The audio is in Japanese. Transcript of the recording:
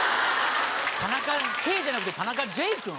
田中圭じゃなくて田中Ｊ君？